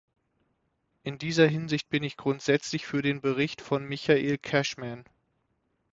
In dieser Hinsicht bin ich grundsätzlich für den Bericht von Michael Cashman.